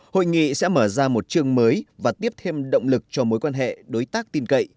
hội nghị sẽ mở ra một chương mới và tiếp thêm động lực cho mối quan hệ đối tác tin cậy